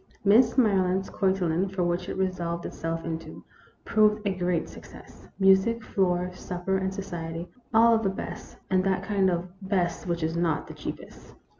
Miss Maryland's cotillon for such it resolved itself into proved a great success. Music, floor, supper, and society, all of the best, and that kind of " best which is not the cheapest."